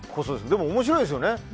でも、面白いですよね。